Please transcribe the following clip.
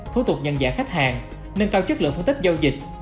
thú thuộc nhân dạng khách hàng nâng cao chất lượng phân tích giao dịch